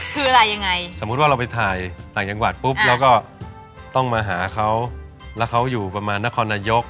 คืออะไรยังไงสมมุติว่าเราไปถ่ายต่างจังหวัดปุ๊บเราก็ต้องมาหาเขาแล้วเขาอยู่ประมาณนครนายก